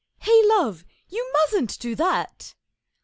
'Hey, Love, you mustn't do that!